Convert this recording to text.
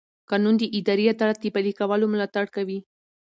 قانون د اداري عدالت د پلي کولو ملاتړ کوي.